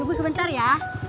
tunggu sebentar ya